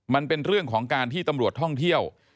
มันเป็นเรื่องของการที่ตำรวจท่องเที่ยว